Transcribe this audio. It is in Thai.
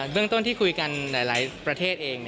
เรื่องต้นที่คุยกันหลายประเทศเอง